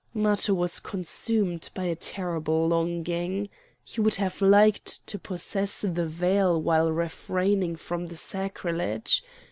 Matho was consumed by a terrible longing. He would have liked to possess the veil while refraining from the sacrilege.